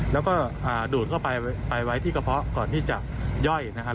แล้วก็ดูดเข้าไปไว้ที่กระเพาะก่อนที่จะย่อยนะครับ